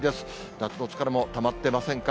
夏の疲れもたまってませんか。